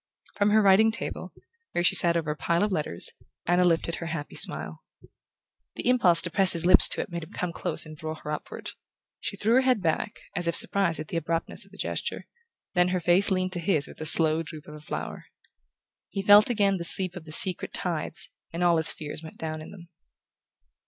From her writing table, where she sat over a pile of letters, Anna lifted her happy smile. The impulse to press his lips to it made him come close and draw her upward. She threw her head back, as if surprised at the abruptness of the gesture; then her face leaned to his with the slow droop of a flower. He felt again the sweep of the secret tides, and all his fears went down in them.